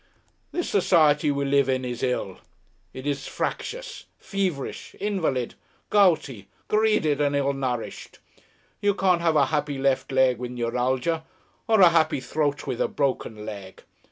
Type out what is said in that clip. This society we live in is ill. It's a fractious, feverish invalid, gouty, greedy and ill nourished. You can't have a happy left leg with neuralgia, or a happy throat with a broken leg.